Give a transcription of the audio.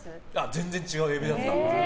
全然違うエビでした。